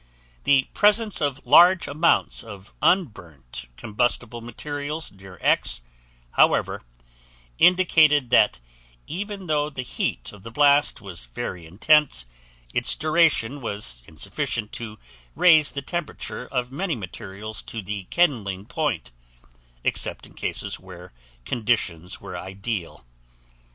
The presence of large amounts of unburnt combustible materials near X, however, indicated that even though the heat of the blast was very intense, its duration was insufficient to raise the temperature of many materials to the kindling point except in cases where conditions were ideal.